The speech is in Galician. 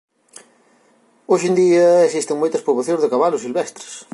Hoxe en día existen moitas poboacións de cabalos silvestres.